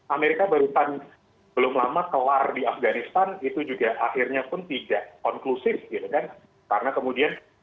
amerika barusan belum lama kelar di afghanistan itu juga akhirnya pun tidak konklusif karena kemudian taliban berkuasa